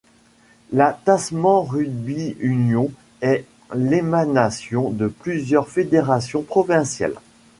La Tasman Rugby Union est l'émanation de plusieurs fédérations provinciales.